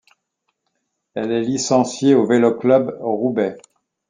Elle est licenciée au Vélo club Roubaix.